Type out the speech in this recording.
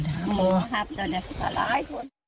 ขอบคุณครับเดี๋ยวเดี๋ยวสัตว์ล้าย